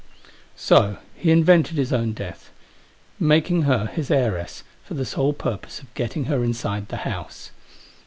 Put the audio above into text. So he invented his own death, making her his heiress, for the sole purpose of getting her inside the house.